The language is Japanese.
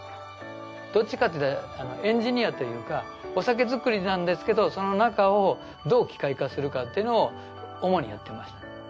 どっちかっていったらエンジニアというかお酒造りなんですけどその中をどう機械化するかっていうのを主にやってました。